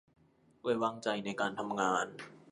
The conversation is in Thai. ไว้วางใจในการทำงาน